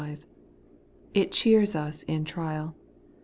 5. It cheers us in trial.